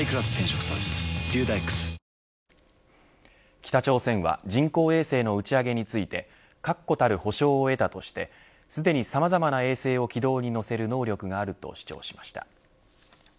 北朝鮮は人工衛星の打ち上げについて確固たる保証を得たとしてすでにさまざまな衛星を軌道に乗せる能力があると主張しました。